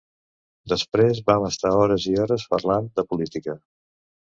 Després vam estar hores i hores parlant de política.